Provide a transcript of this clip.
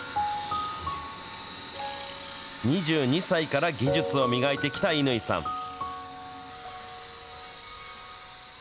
２２歳から技術を磨いてきた乾さん。